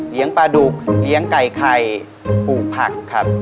ปลาดุกเลี้ยงไก่ไข่ปลูกผักครับ